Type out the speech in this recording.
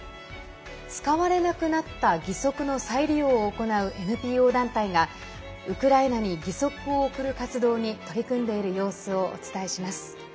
使われなくなった義足の再利用を行うＮＰＯの団体がウクライナに義足を送る活動に取り組んでいる様子をお伝えします。